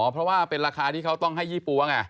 เพราะว่าเป็นราคาที่เขาต้องให้ยี่ปั๊วไง